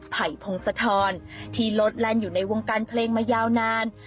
ไผ่พงศธรที่โลดแลนด์อยู่ในวงการเพลงมายาวนาน